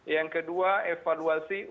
yang kedua evaluasi untuk